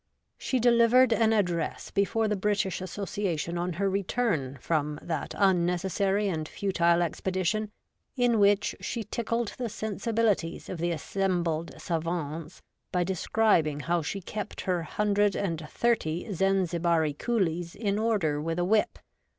She delivered an address before the British Association on her return from that unnecessary and futile expedition, in which she tickled the sensibilities of the assembled savants by describing how she kept her hundred and thirty Zanzibari coolies in order with a whip.